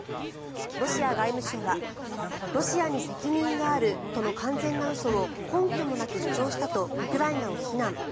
ロシア外務省はロシアに責任があるとの完全な嘘を根拠もなく主張したとウクライナを非難。